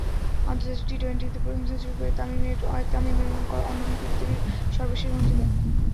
আন্তর্জাতিক টি-টোয়েন্টিতে প্রথম সেঞ্চুরি করে তামিম এমন অনন্য কীর্তির সর্বশেষ অংশীদার।